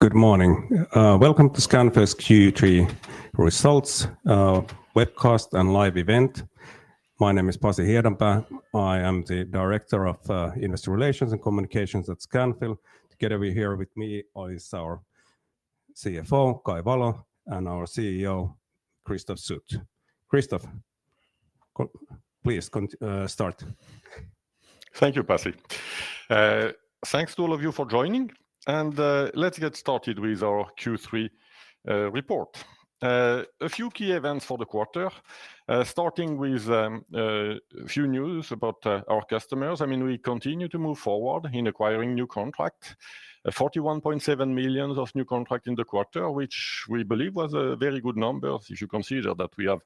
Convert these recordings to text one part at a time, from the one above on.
Good morning. Welcome to Scanfil's Q3 results webcast and live event. My name is Pasi Hiedanpää. I am the Director of Investor Relations and Communications at Scanfil. Together here with me is our CFO, Kai Valo, and our CEO, Christophe Sut. Christophe, please start. Thank you, Pasi. Thanks to all of you for joining, and let's get started with our Q3 report. A few key events for the quarter, starting with a few news about our customers. I mean, we continue to move forward in acquiring new contract. 41.7 million of new contract in the quarter, which we believe was a very good number, if you consider that we have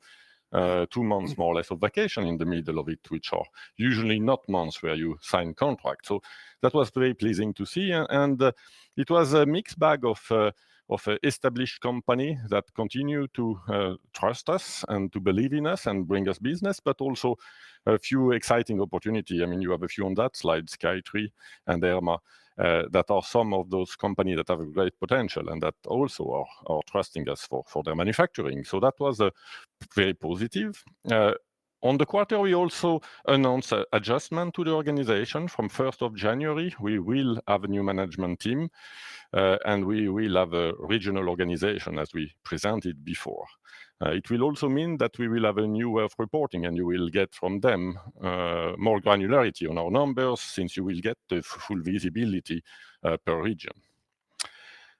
two months, more or less, of vacation in the middle of it, which are usually not months where you sign contract. So that was very pleasing to see. It was a mixed bag of established company that continue to trust us and to believe in us and bring us business, but also a few exciting opportunity. I mean, you have a few on that slide, Skytree and Aira, that are some of those company that have a great potential and that also are trusting us for their manufacturing. So that was very positive. On the quarter, we also announced an adjustment to the organization. From first of January, we will have a new management team, and we will have a regional organization as we presented before. It will also mean that we will have a new way of reporting, and you will get from them more granularity on our numbers, since you will get the full visibility per region.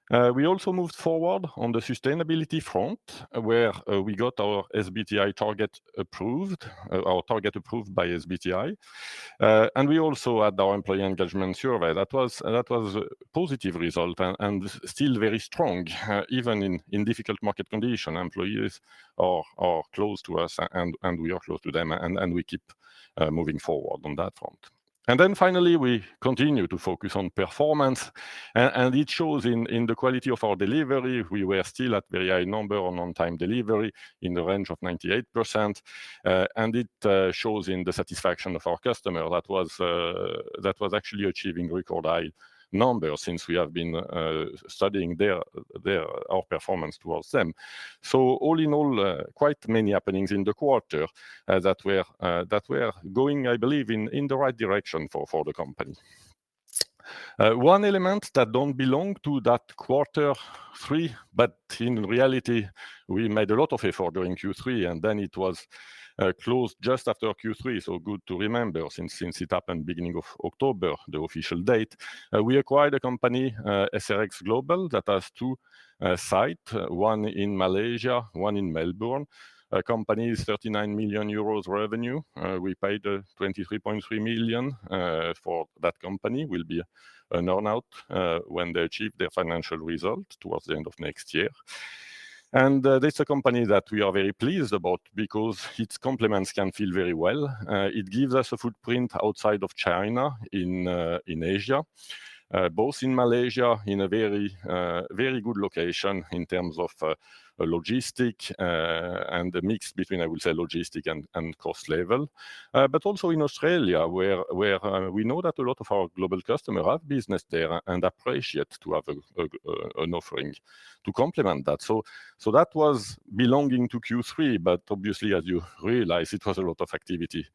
We also moved forward on the sustainability front, where we got our SBTi target approved, our target approved by SBTi. We also had our employee engagement survey. That was a positive result and still very strong, even in difficult market condition. Employees are close to us, and we are close to them, and we keep moving forward on that front. And then finally, we continue to focus on performance, and it shows in the quality of our delivery. We were still at very high number on on-time delivery, in the range of 98%. And it shows in the satisfaction of our customer. That was actually achieving record high numbers since we have been studying our performance towards them. So all in all, quite many happenings in the quarter that we are going, I believe, in the right direction for the company. One element that don't belong to that quarter three, but in reality, we made a lot of effort during Q3, and then it was closed just after Q3, so good to remember since it happened beginning of October, the official date. We acquired a company, SRXGlobal, that has two sites, one in Malaysia, one in Melbourne. The company is 39 million euros revenue. We paid 23.3 million for that company. There will be an earn-out when they achieve their financial result towards the end of next year. This is a company that we are very pleased about because it complements Scanfil very well. It gives us a footprint outside of China, in, in Asia, both in Malaysia, in a very, very good location in terms of, logistics, and the mix between, I will say, logistics and, and cost level. But also in Australia, where, where, we know that a lot of our global customers have business there and appreciate to have a, a, an offering to complement that. So, so that was belonging to Q3, but obviously, as you realize, it was a lot of activity.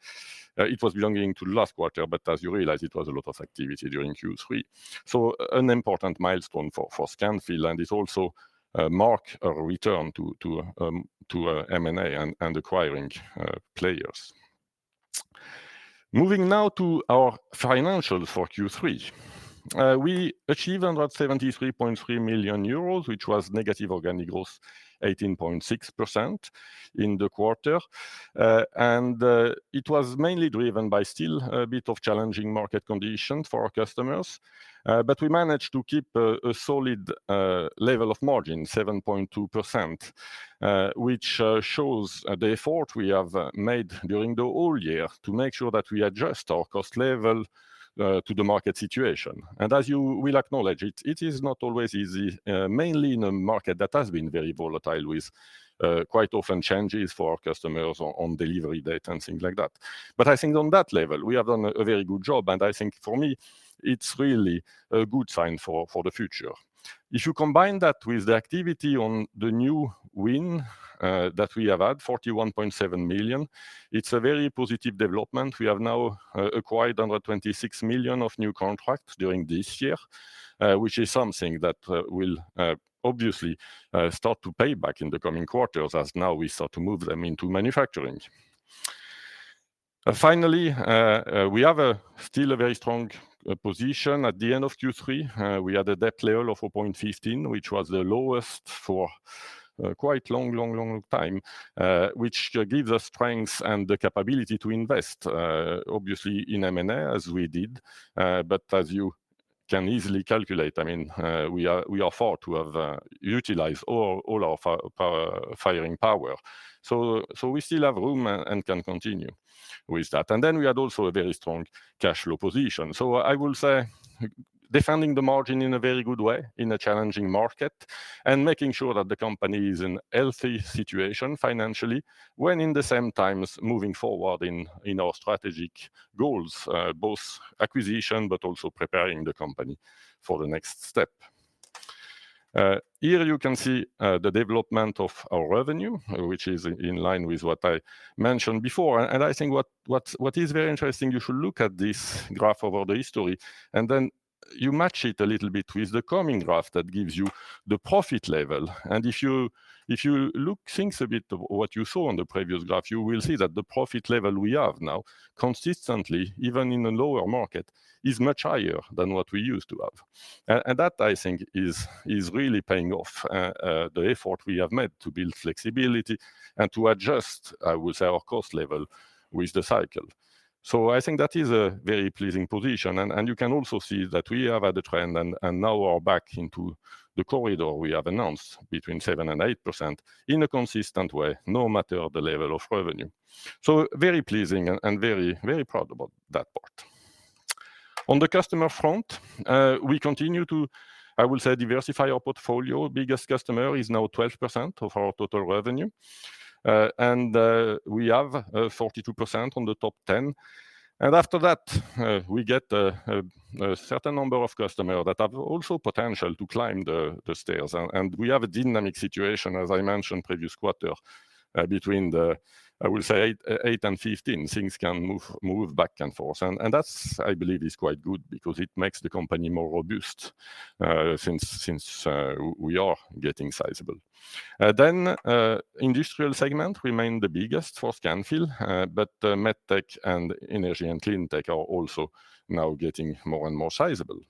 It was belonging to last quarter, but as you realize, it was a lot of activity during Q3. So an important milestone for Scanfil, and it also, mark a return to M&A and acquiring players. Moving now to our financials for Q3. We achieved under 73.3 million euros, which was negative organic growth, 18.6% in the quarter. And it was mainly driven by still a bit of challenging market conditions for our customers. But we managed to keep a solid level of margin, 7.2%, which shows the effort we have made during the whole year to make sure that we adjust our cost level to the market situation. And as you will acknowledge, it is not always easy, mainly in a market that has been very volatile with quite often changes for our customers on delivery date and things like that. But I think on that level, we have done a very good job, and I think for me, it's really a good sign for the future. If you combine that with the activity on the new win, that we have had, 41.7 million, it's a very positive development. We have now acquired under 26 million of new contracts during this year, which is something that will obviously start to pay back in the coming quarters, as now we start to move them into manufacturing. Finally, we have still a very strong position at the end of Q3. We had a debt level of 4.15, which was the lowest for quite a long time, which gives us strength and the capability to invest obviously in M&A, as we did. But as you can easily calculate, I mean, we are far to have utilized all our firing power. So we still have room and can continue with that. And then we had also a very strong cash flow position. So I will say, defending the margin in a very good way, in a challenging market, and making sure that the company is in healthy situation financially, when in the same time, moving forward in our strategic goals, both acquisition, but also preparing the company for the next step. Here you can see the development of our revenue, which is in line with what I mentioned before. And I think what is very interesting, you should look at this graph over the history, and then you match it a little bit with the coming graph that gives you the profit level. If you look at things a bit from what you saw on the previous graph, you will see that the profit level we have now, consistently, even in a lower market, is much higher than what we used to have. And that, I think, is really paying off the effort we have made to build flexibility and to adjust, I would say, our cost level with the cycle. So I think that is a very pleasing position, and you can also see that we have had a trend and now we're back into the corridor we have announced between 7% and 8% in a consistent way, no matter the level of revenue. So very pleasing and very proud about that part. On the customer front, we continue to, I will say, diversify our portfolio. Biggest customer is now 12% of our total revenue. We have 42% on the top 10, and after that, we get a certain number of customers that have also potential to climb the stairs. We have a dynamic situation, as I mentioned previous quarter, between the, I will say, 8 and 15, things can move back and forth. That's, I believe, is quite good because it makes the company more robust, since we are getting sizable. Industrial segment remains the biggest for Scanfil, but MedTech and Energy & Cleantech are also now getting more and more sizable.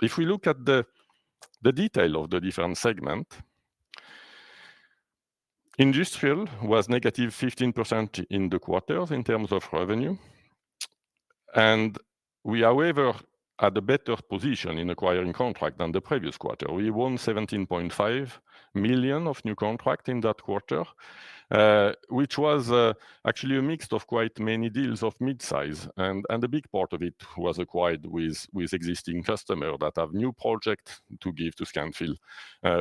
If we look at the detail of the different segment, industrial was negative 15% in the quarter in terms of revenue, and we are, however, at a better position in acquiring contract than the previous quarter. We won 17.5 million of new contract in that quarter, which was actually a mix of quite many deals of mid-size, and a big part of it was acquired with existing customer that have new project to give to Scanfil,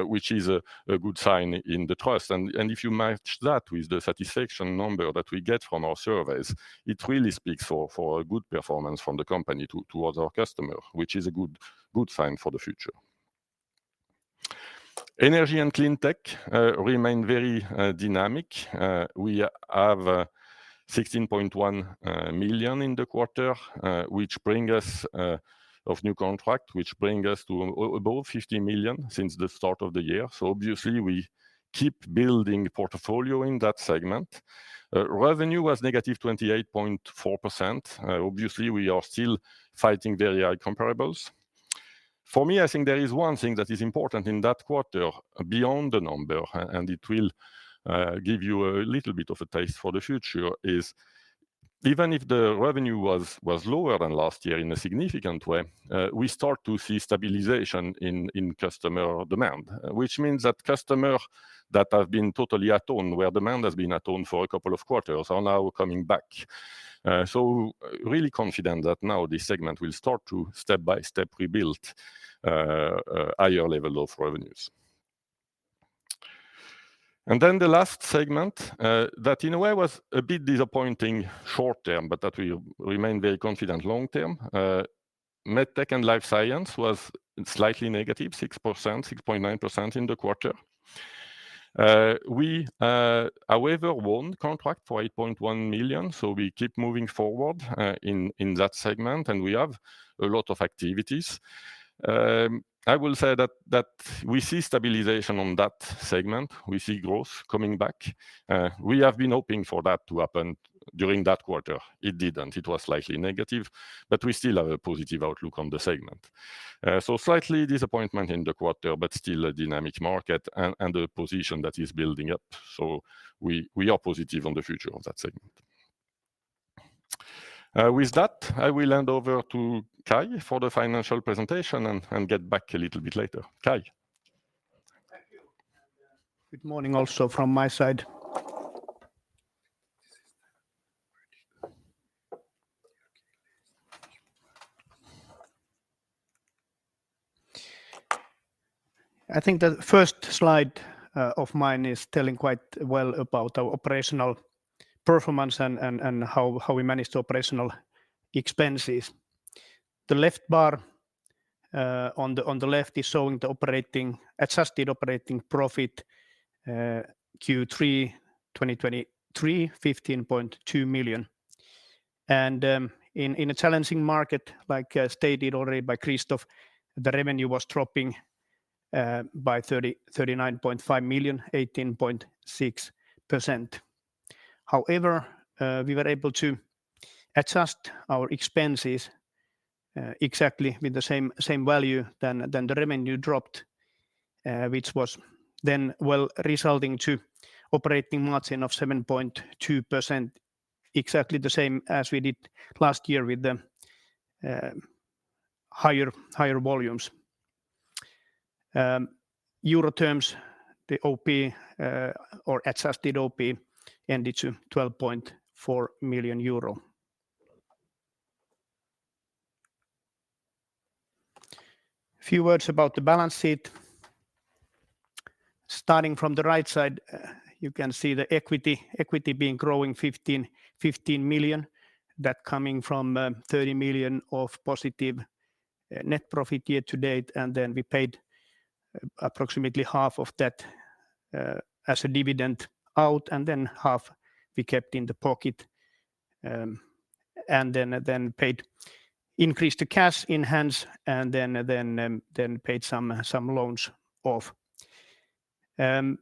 which is a good sign in the trust, and if you match that with the satisfaction number that we get from our surveys, it really speaks for a good performance from the company towards our customer, which is a good sign for the future. Energy & Cleantech remain very dynamic. We have 16.1 million in the quarter, which bring us of new contract, which bring us to above 50 million since the start of the year. So obviously, we keep building portfolio in that segment. Revenue was -28.4%. Obviously, we are still fighting very high comparables. For me, I think there is one thing that is important in that quarter beyond the number, and it will give you a little bit of a taste for the future, is even if the revenue was lower than last year in a significant way, we start to see stabilization in customer demand. Which means that customer that have been totally on hold, where demand has been on hold for a couple of quarters, are now coming back. So really confident that now this segment will start to step-by-step rebuild higher level of revenues. And then the last segment that in a way was a bit disappointing short term, but that we remain very confident long term. Medtech & Life Science was slightly -6%, -6.9% in the quarter. We however won contract for 8.1 million, so we keep moving forward in that segment, and we have a lot of activities. I will say that we see stabilization on that segment. We see growth coming back. We have been hoping for that to happen during that quarter. It didn't. It was slightly negative, but we still have a positive outlook on the segment. So slight disappointment in the quarter, but still a dynamic market and a position that is building up. We are positive on the future of that segment. With that, I will hand over to Kai for the financial presentation and get back a little bit later. Kai? Thank you. Good morning also from my side. I think the first slide of mine is telling quite well about our operational performance and how we managed operational expenses. The left bar on the left is showing the operating, adjusted operating profit, Q3 2023, 15.2 million. And in a challenging market, like stated already by Christophe, the revenue was dropping by 39.5 million, 18.6%. However, we were able to adjust our expenses exactly with the same value than the revenue dropped, which was then well resulting to operating margin of 7.2%, exactly the same as we did last year with the higher volumes. In euro terms, the OP or adjusted OP ended to 12.4 million euro. A few words about the balance sheet. Starting from the right side, you can see the equity, equity being growing 15 million. That coming from 30 million of positive net profit year to date, and then we paid approximately half of that as a dividend out, and then half we kept in the pocket. And then increased the cash in hand, and then paid some loans off. And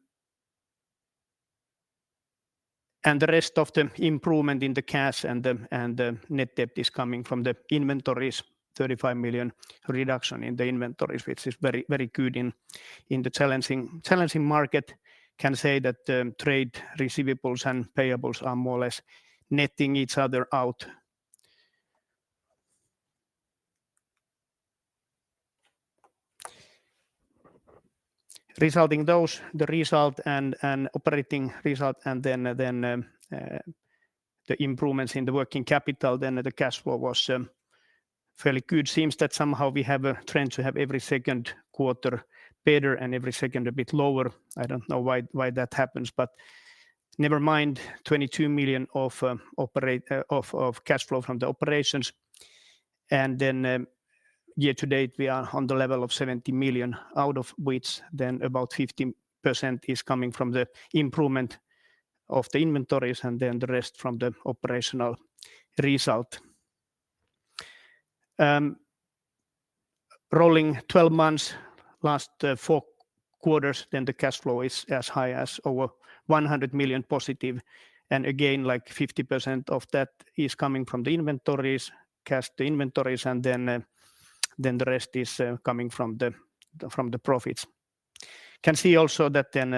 the rest of the improvement in the cash and the net debt is coming from the inventories, 35 million reduction in the inventories, which is very, very good in the challenging market. Can say that, trade receivables and payables are more or less netting each other out. Regarding those, the result and operating result, and then the improvements in the working capital, then the cash flow was fairly good. Seems that somehow we have a trend to have every second quarter better and every second a bit lower. I don't know why that happens, but never mind. 22 million of operating cash flow from the operations. Then, year to date, we are on the level of 70 million, out of which then about 50% is coming from the improvement of the inventories, and then the rest from the operational result. Rolling twelve months, last four quarters, then the cash flow is as high as over 100 million+, and again, like 50% of that is coming from the inventories, cash to inventories, and then the rest is coming from the profits. Can see also that then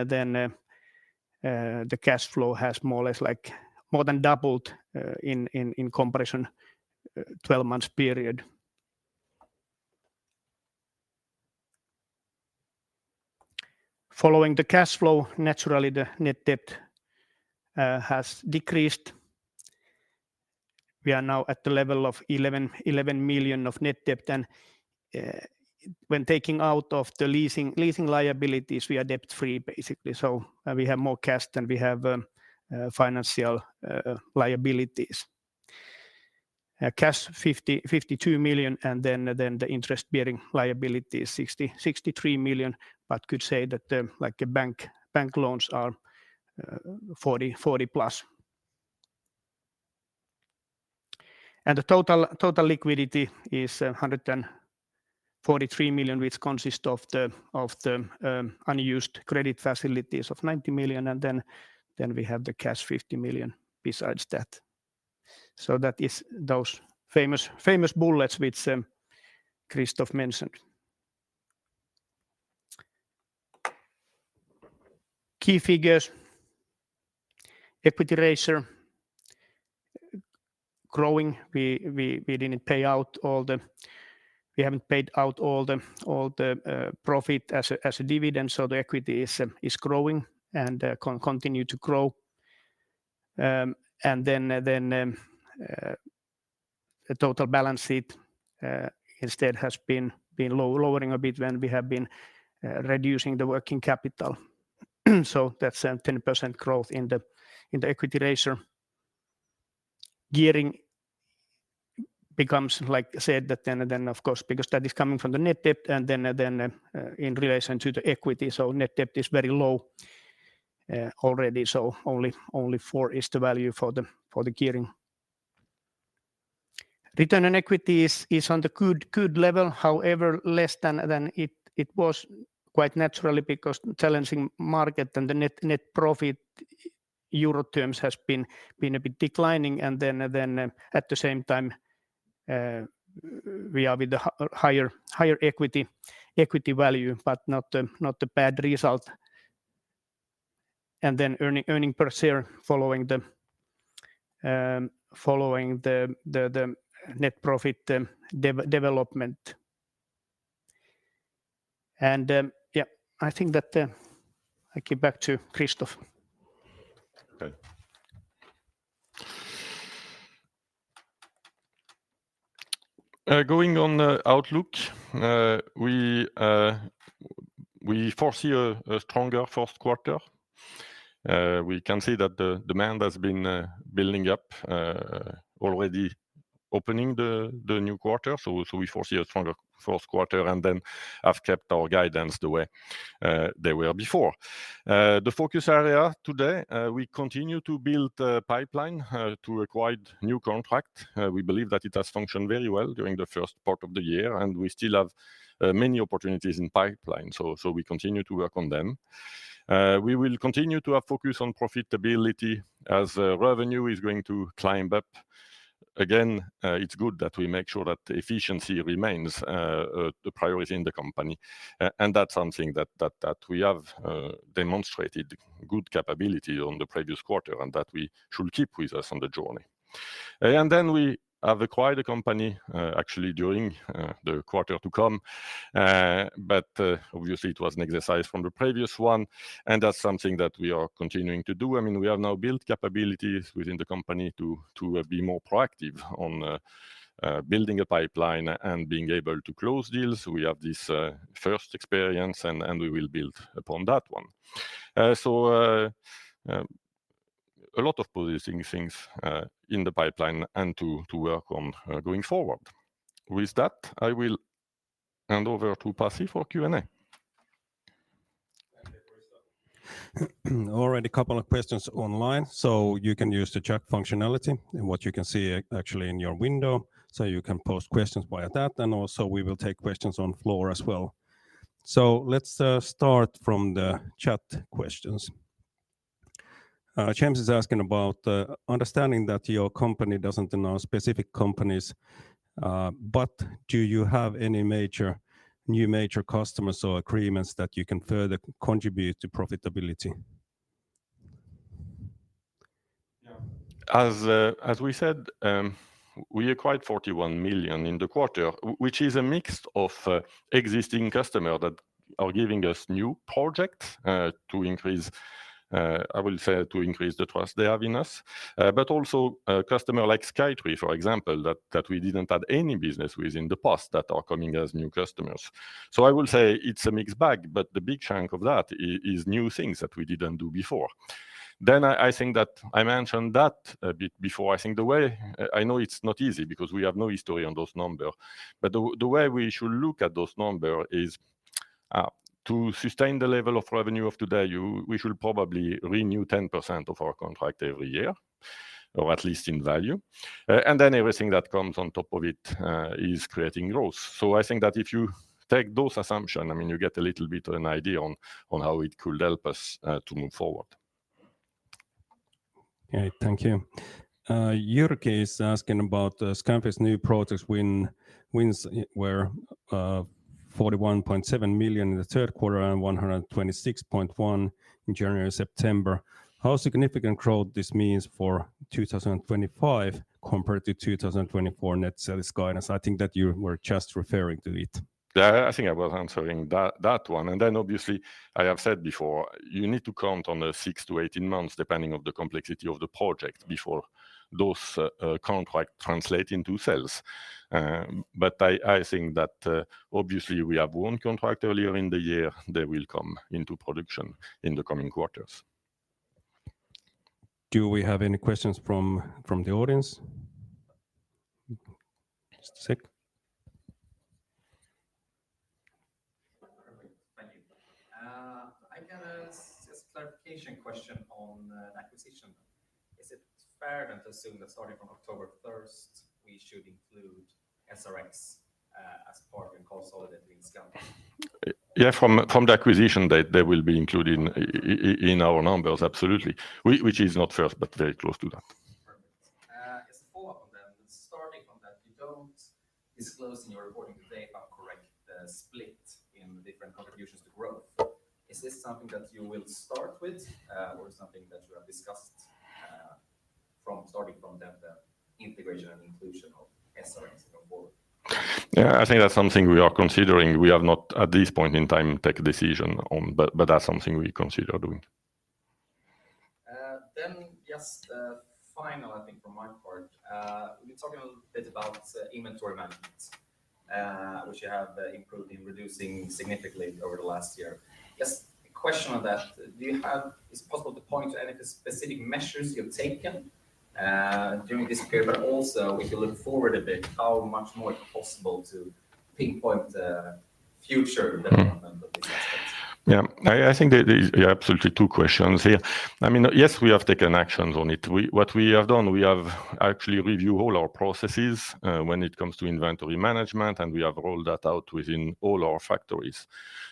the cash flow has more or less like more than doubled in comparison twelve months period. Following the cash flow, naturally, the net debt has decreased. We are now at the level of 11 million of net debt, and when taking out the leasing liabilities, we are debt-free, basically, so we have more cash than we have financial liabilities. Cash 52 million, and then the interest-bearing liability is 63 million, but could say that like a bank loans are 40 million+. And the total liquidity is 143 million, which consists of the unused credit facilities of 90 million, and then we have the cash 50 million besides that. So that is those famous bullets, which Christophe mentioned. Key figures. Equity ratio growing. We didn't pay out all the... We haven't paid out all the profit as a dividend, so the equity is growing and continue to grow. And then the total balance sheet instead has been lowering a bit when we have been reducing the working capital. That's a 10% growth in the equity ratio. Gearing becomes, like I said, then of course because that is coming from the net debt, and then in relation to the equity, so net debt is very low already, so only four is the value for the gearing. Return on equity is on the good level, however, less than it was quite naturally because challenging market and the net profit euro terms has been a bit declining, and then at the same time, we are with the higher equity value, but not a bad result. Earnings per share following the net profit development. Yeah, I think that I give back to Christophe. Okay. Going on the outlook, we foresee a stronger fourth quarter. We can see that the demand has been building up already opening the new quarter. So we foresee a stronger fourth quarter, and then I've kept our guidance the way they were before. The focus area today, we continue to build a pipeline to acquire new contract. We believe that it has functioned very well during the first part of the year, and we still have many opportunities in pipeline, so we continue to work on them. We will continue to have focus on profitability as revenue is going to climb up again. It's good that we make sure that efficiency remains the priority in the company, and that's something that we have demonstrated good capability on the previous quarter, and that we should keep with us on the journey. Then we have acquired a company, actually during the quarter to come, but obviously it was an exercise from the previous one, and that's something that we are continuing to do. I mean, we have now built capabilities within the company to be more proactive on building a pipeline and being able to close deals. We have this first experience, and we will build upon that one. A lot of producing things in the pipeline and to work on going forward. With that, I will hand over to Pasi for Q&A. Thank you very much. Already a couple of questions online, so you can use the chat functionality and what you can see actually in your window, so you can post questions via that, and also we will take questions on floor as well. So let's start from the chat questions. James is asking about understanding that your company doesn't announce specific companies, but do you have any major, new major customers or agreements that you can further contribute to profitability? Yeah. As, as we said, we acquired 41 million in the quarter, which is a mix of, existing customer that are giving us new projects, to increase, I will say to increase the trust they have in us. But also a customer like Skytree, for example, that we didn't have any business with in the past that are coming as new customers. So I will say it's a mixed bag, but the big chunk of that is new things that we didn't do before. Then I think that I mentioned that a bit before. I think the way... I know it's not easy because we have no history on those number, but the way we should look at those number is to sustain the level of revenue of today, we should probably renew 10% of our contract every year, or at least in value, and then everything that comes on top of it is creating growth, so I think that if you take those assumption, I mean, you get a little bit of an idea on how it could help us to move forward. Okay, thank you. Juergen is asking about Scanfil's new projects wins were 41.7 million in the third quarter and 126.1 million in January, September. How significant growth this means for 2025 compared to 2024 net sales guidance? I think that you were just referring to it. Yeah, I think I was answering that, that one. And then obviously, I have said before, you need to count on the six to 18 months, depending on the complexity of the project, before those, contract translate into sales. But I think that, obviously, we have won contract earlier in the year, they will come into production in the coming quarters. Do we have any questions from the audience? Perfect. Thank you. I got just a clarification question on acquisition. Is it fair then to assume that starting from October first, we should include SRX as part of consolidated sales? Yeah, from the acquisition date, they will be included in our numbers, absolutely, which is not first, but very close to that. Perfect. As a follow-up on them, starting from that, you don't disclose in your reporting today a correct split in different contributions to growth. Is this something that you will start with, or something that you have discussed from starting from then, the integration and inclusion of SRX going forward? Yeah, I think that's something we are considering. We have not, at this point in time, take a decision on, but that's something we consider doing. Then just final, I think, from my part. We've been talking a little bit about inventory management, which you have improved in reducing significantly over the last year. Just a question on that: do you have... Is it possible to point to any specific measures you've taken during this period? But also, if you look forward a bit, how much more is possible to pinpoint the future development of the business? Yeah. I think there is absolutely two questions here. I mean, yes, we have taken actions on it. What we have done, we have actually review all our processes, when it comes to inventory management, and we have rolled that out within all our factories.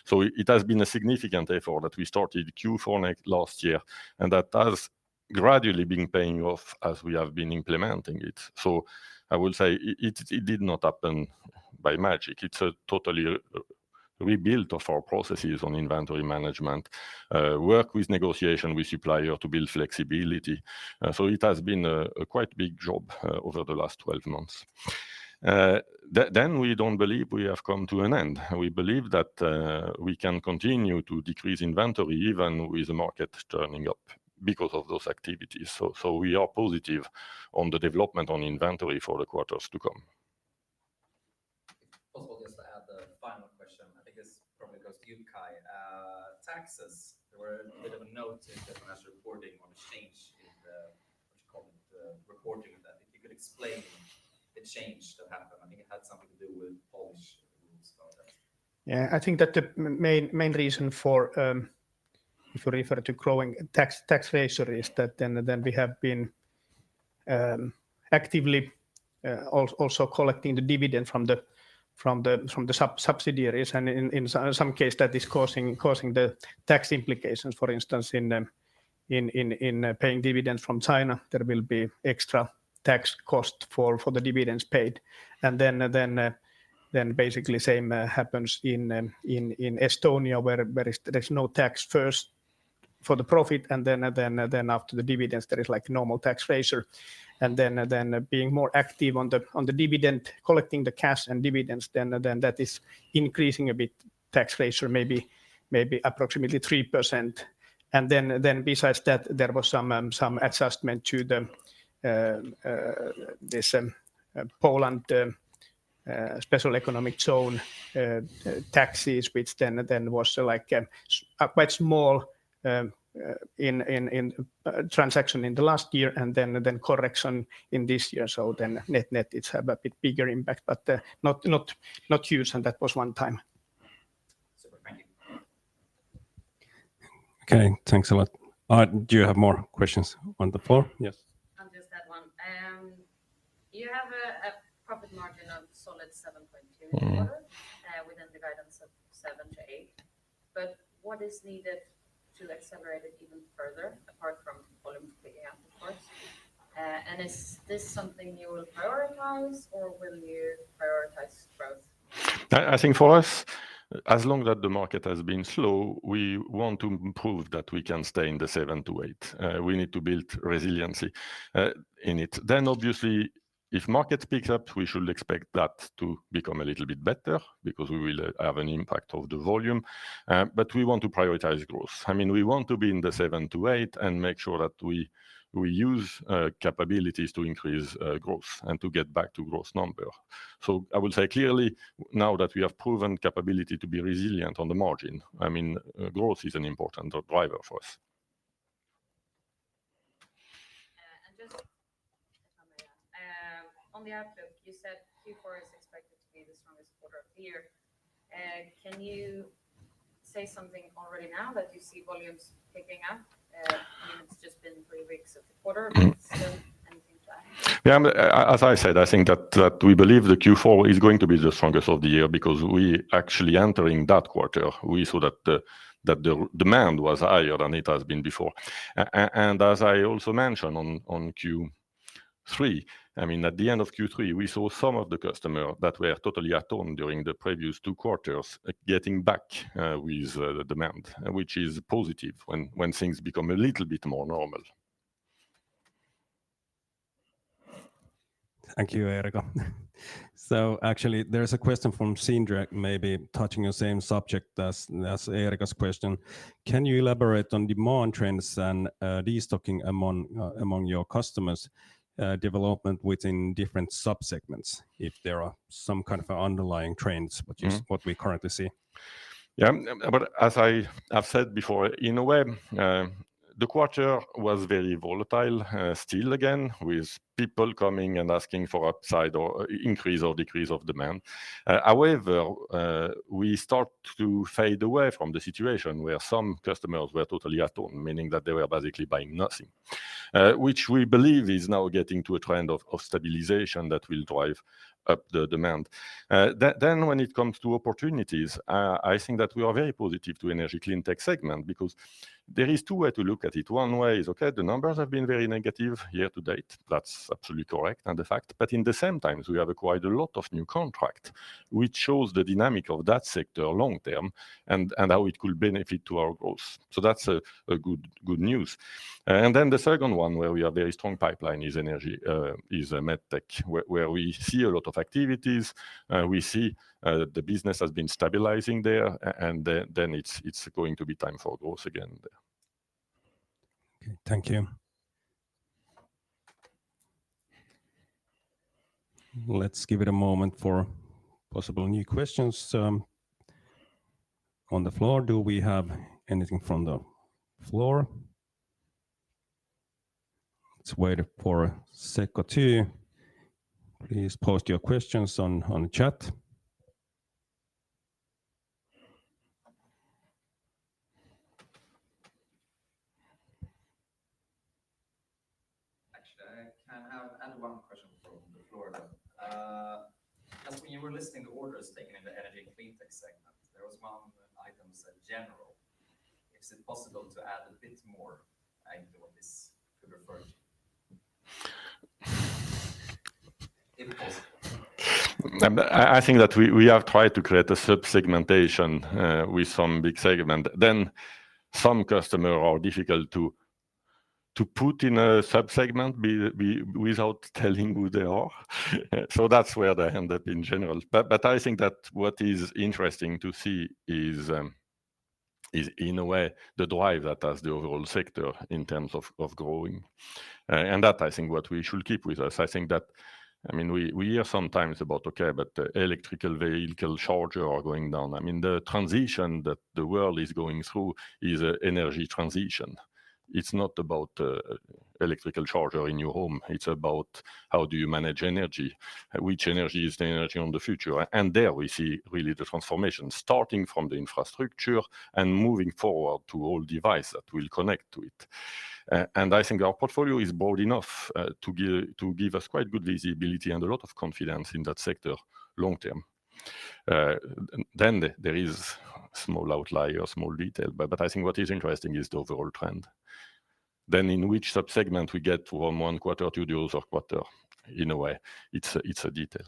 So it has been a significant effort that we started Q4 last year, and that has gradually been paying off as we have been implementing it. So I will say it did not happen by magic. It's a totally rebuilt of our processes on inventory management, work with negotiation with supplier to build flexibility. So it has been a quite big job, over the last twelve months. Then we don't believe we have come to an end. We believe that we can continue to decrease inventory even with the market turning up because of those activities. So we are positive on the development on inventory for the quarters to come. If possible, just to add the final question, I think this probably goes to you, Kai. Taxes, there were a bit of a note in the last reporting on the change in the, what you call it, reporting of that. If you could explain the change that happened. I think it had something to do with Polish rules about that. Yeah, I think that the main reason for, if you refer to growing tax ratio, is that we have been actively also collecting the dividend from the subsidiaries, and in some case, that is causing the tax implications. For instance, in paying dividends from China, there will be extra tax cost for the dividends paid. And then basically same happens in Estonia, where there's no tax first for the profit, and then after the dividends, there is like normal tax ratio. And being more active on the dividend, collecting the cash and dividends, that is increasing a bit tax ratio, maybe approximately 3%. And then besides that, there was some adjustment to this Poland special economic zone taxes, which then was like a quite small transaction in the last year, and then correction in this year. So then net-net, it's have a bit bigger impact, but not huge, and that was one time. Super. Thank you. Okay, thanks a lot. Do you have more questions on the floor? Yes. I've just that one. You have a profit margin of solid 7.2%. Mm-hmm within the guidance of seven to eight, but what is needed to accelerate it even further, apart from volumes picking up, of course? And is this something you will prioritize, or will you prioritize growth? I think for us, as long as that the market has been slow, we want to prove that we can stay in the 7%-8%. We need to build resiliency in it. Then obviously, if market picks up, we should expect that to become a little bit better because we will have an impact of the volume. But we want to prioritize growth. I mean, we want to be in the 7%-8% and make sure that we use capabilities to increase growth and to get back to growth number. So I will say clearly, now that we have proven capability to be resilient on the margin, I mean, growth is an important driver for us. And just if I may ask, on the outlook, you said Q4 is expected to be the strongest quarter of the year. Can you say something already now that you see volumes picking up? I mean, it's just been three weeks of the quarter- Mm-hmm but still, anything to add? Yeah, as I said, I think that we believe that Q4 is going to be the strongest of the year because we actually entering that quarter, we saw that the demand was higher than it has been before. And as I also mentioned on Q3, I mean, at the end of Q3, we saw some of the customer that were totally at home during the previous two quarters, getting back with the demand, which is positive when things become a little bit more normal. Thank you, Erika. So actually, there is a question from Sindre, maybe touching the same subject as Erika's question: Can you elaborate on demand trends and de-stocking among your customers' development within different sub-segments, if there are some kind of underlying trends which is what we currently see? Yeah. But as I have said before, in a way, the quarter was very volatile, still again, with people coming and asking for upside or increase or decrease of demand. However, we start to fade away from the situation where some customers were totally at home, meaning that they were basically buying nothing, which we believe is now getting to a trend of stabilization that will drive up the demand. Then, when it comes to opportunities, I think that we are very positive to energy clean tech segment because there is two way to look at it. One way is, okay, the numbers have been very negative year to date. That's absolutely correct and a fact, but at the same time, we have acquired a lot of new contract, which shows the dynamic of that sector long term and how it could benefit to our growth. So that's a good news. And then the second one, where we have very strong pipeline is energy is MedTech, where we see a lot of activities, we see the business has been stabilizing there, and then it's going to be time for growth again there. Okay. Thank you. Let's give it a moment for possible new questions on the floor. Do we have anything from the floor? Let's wait for a sec or two. Please post your questions on the chat. Actually, I can add one question from the floor then. As when you were listing the orders taken in the energy cleantech segment, there was one of the items said, "General." Is it possible to add a bit more idea what this could refer to? Impossible. I think that we have tried to create a sub-segmentation with some big segment. Then some customer are difficult to put in a sub-segment without telling who they are. So that's where they end up in general. But I think that what is interesting to see is, in a way, the drive that has the overall sector in terms of growing, and that I think what we should keep with us. I think that. I mean, we hear sometimes about, "Okay, but electric vehicle chargers are going down." I mean, the transition that the world is going through is an energy transition. It's not about electric chargers in your home. It's about how do you manage energy, which energy is the energy of the future? And there we see really the transformation, starting from the infrastructure and moving forward to all devices that will connect to it. I think our portfolio is broad enough to give us quite good visibility and a lot of confidence in that sector long term. Then there is a small outlier, small detail, but I think what is interesting is the overall trend. Then in which sub-segment we get one quarter, two deals or quarter, in a way, it's a detail.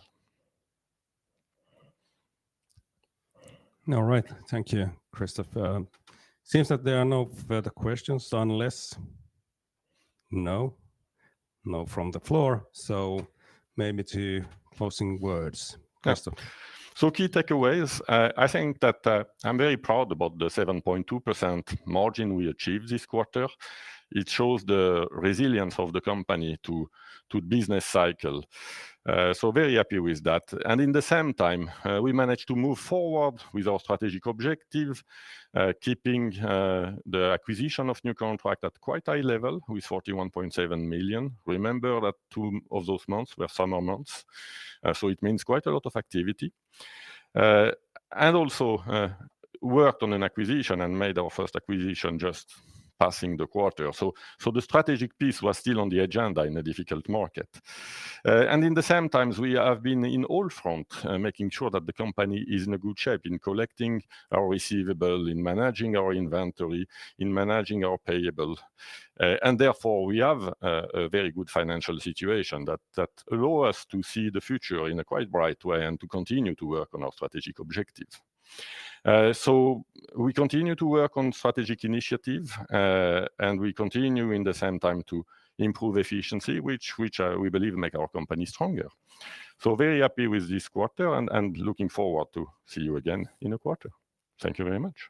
All right. Thank you, Christophe. Seems that there are no further questions, unless... No? No from the floor, so maybe to closing words, Christophe. So key takeaways, I think that, I'm very proud about the 7.2% margin we achieved this quarter. It shows the resilience of the company to business cycle. So very happy with that. And in the same time, we managed to move forward with our strategic objectives, keeping the acquisition of new contract at quite high level, with 41.7 million. Remember that two of those months were summer months, so it means quite a lot of activity. And also, worked on an acquisition and made our first acquisition just passing the quarter. So the strategic piece was still on the agenda in a difficult market. And in the same time, we have been in all front, making sure that the company is in a good shape in collecting our receivable, in managing our inventory, in managing our payable, and therefore, we have a very good financial situation that allow us to see the future in a quite bright way and to continue to work on our strategic objectives. So we continue to work on strategic initiatives, and we continue, in the same time, to improve efficiency, which we believe make our company stronger. So very happy with this quarter and looking forward to see you again in a quarter. Thank you very much.